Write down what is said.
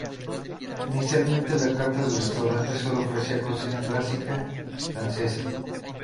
Inicialmente, la carta del restaurante solo ofrecía cocina clásica francesa.